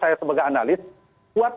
saya sebagai analis kuat